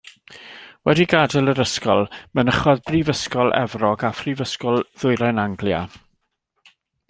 Wedi gadael yr ysgol mynychodd Brifysgol Efrog a Phrifysgol Ddwyrain Anglia.